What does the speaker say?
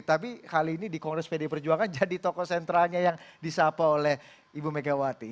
tapi kali ini di kongres pdi perjuangan jadi tokoh sentralnya yang disapa oleh ibu megawati